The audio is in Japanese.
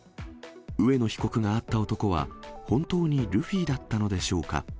上野被告が会った男は、本当にルフィだったのでしょうか。